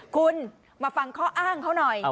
คุณมาฟังข้ออ้างเขาหน่อย